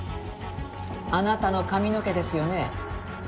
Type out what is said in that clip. あなたの髪の毛ですよね？